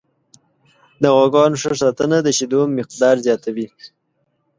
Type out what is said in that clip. د غواګانو ښه ساتنه د شیدو مقدار زیاتوي.